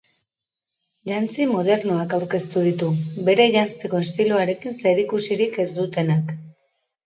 Jantzi modernoak aurkeztu ditu, bere janzteko estiloarekin zerikusirik ez dutenak.